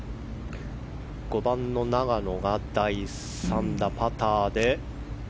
５番の永野が第３打、パターで。